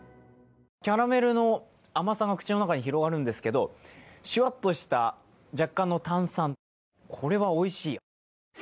キャラメルの甘さが口の中に広がるんですけど、しゅわっとした若干の炭酸、これはおいしい。